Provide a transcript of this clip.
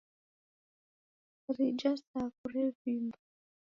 Rija saku revimba.